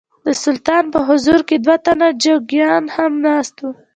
د سلطان په حضور کې دوه تنه جوګیان هم ناست وو.